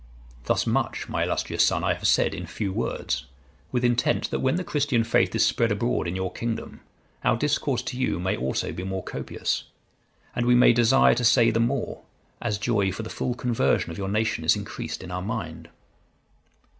Thus much, my illustrious son, I have said in few words, with intent that when the Christian faith is spread abroad in your kingdom, our discourse to you may also be more copious, and we may desire to say the more, as joy for the full conversion of your nation is increased in our mind.